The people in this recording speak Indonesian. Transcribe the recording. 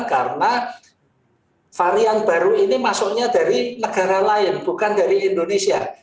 karena varian baru ini masuknya dari negara lain bukan dari indonesia